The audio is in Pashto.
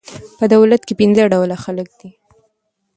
په دولت کښي پنځه ډوله خلک دي.